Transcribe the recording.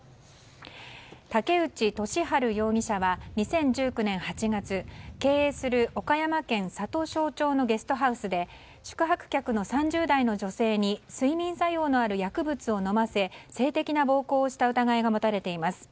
武内俊晴容疑者は２０１９年８月経営する岡山県里庄町のゲストハウスで宿泊客の３０代の女性に睡眠作用のある薬物を飲ませ性的な暴行をした疑いが持たれています。